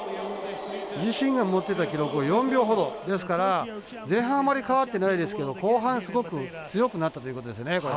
自身が持ってた記録を４秒ほどですから前半、あまり変わってないですが後半、すごく強くなったということですね。